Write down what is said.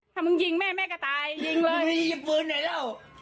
ถ้ามึงยิงแม่แม่กระตายยิงเลยยิงพื้นไหนแล้ว